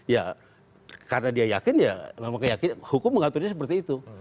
ya karena dia yakin ya memang keyakinan hukum mengaturnya seperti itu